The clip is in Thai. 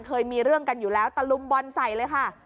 เคยมีเรื่องกันอยู่แล้วตะลุมบอลใส่เลยค่ะ